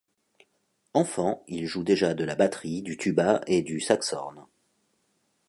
Enfant, il joue déjà de la batterie, du tuba et du saxhorn.